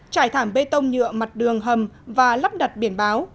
trải thảm bê tông nhựa mặt đường hầm và lắp đặt biển báo